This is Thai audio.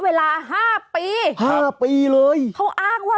เบิร์ตลมเสียโอ้โห